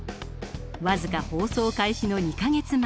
僅か放送開始の２か月前。